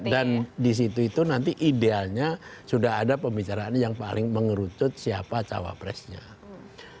dan disitu itu nanti idealnya sudah ada pembicaraan yang paling mengerucut siapa jawab presiden